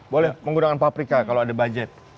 boleh menggunakan paprika kalau ada budget